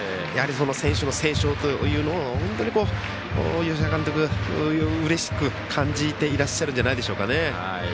選手も成長を本当に吉田監督、うれしく感じていらっしゃるんじゃないでしょうか。